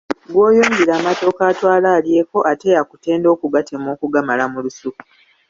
Gw’oyunjira amatooke atwale alyeko ate yakutenda okugatema okugamala mu lusuku.